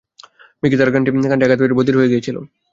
Mickey তার কোন কানটি আঘাত পেয়ে বধির হয়ে গিয়েছিল?